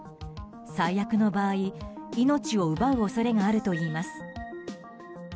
最悪の場合命を奪う恐れがあるといいます。